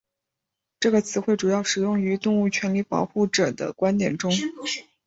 这个词汇主要使用于动物权利保护者的观点中。